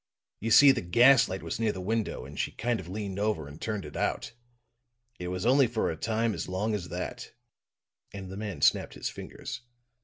You see, the gas light was near the window and she kind of leaned over and turned it out. It was only for a time as long as that," and the man snapped his fingers.